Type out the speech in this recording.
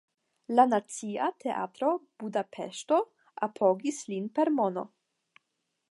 La Nacia Teatro (Budapeŝto) apogis lin per mono.